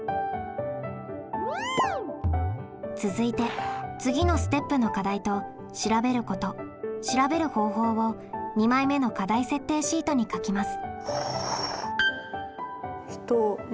続いて次のステップの課題と調べること調べる方法を２枚目の課題設定シートに書きます。